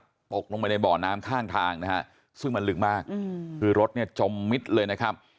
ก็ตกลงไปในบ่อน้ำข้างทางนะฮะซึ่งมันลึกมากคือรถเนี่ยจมมิดเลยนะครับ